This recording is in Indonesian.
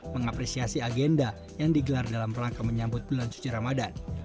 mengapresiasi agenda yang digelar dalam rangka menyambut bulan suci ramadan